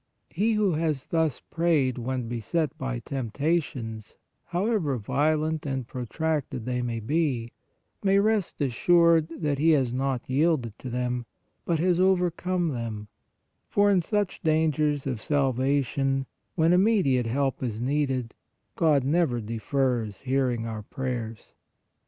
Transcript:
He who has thus prayed when beset by temptations, however violent and protracted they may be, may rest assured that he has not yielded to them, but has overcome them, for in such dangers of salvation, when immediate help is needed, God never defers hearing our prayers.